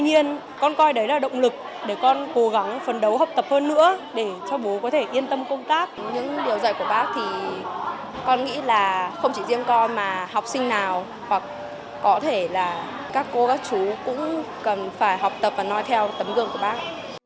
hoặc có thể là các cô các chú cũng cần phải học tập và nói theo tấm gương của bác